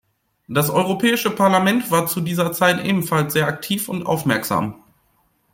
Das Europäische Parlament war zu dieser Zeit ebenfalls sehr aktiv und aufmerksam.